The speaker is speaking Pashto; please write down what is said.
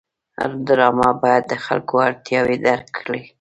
ډرامه باید د خلکو اړتیاوې درک کړي